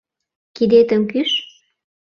Кидетым кӱш!